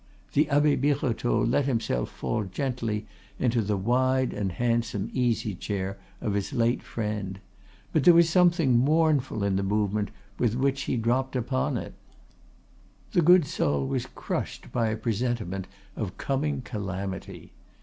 the Abbe Birotteau let himself fall gently into the wide and handsome easy chair of his late friend; but there was something mournful in the movement with which he dropped upon it. The good soul was crushed by a presentiment of coming calamity.